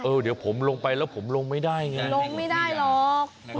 เดี๋ยวผมลงไปแล้วผมลงไม่ได้ไงลงไม่ได้หรอก